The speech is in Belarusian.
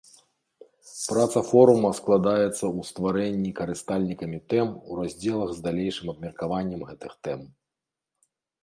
Праца форума складаецца ў стварэнні карыстальнікамі тэм у раздзелах з далейшым абмеркаваннем гэтых тэм.